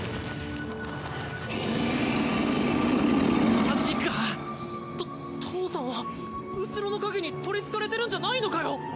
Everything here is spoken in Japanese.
まマジか！！と父さんは虚の影にとりつかれてるんじゃないのかよ。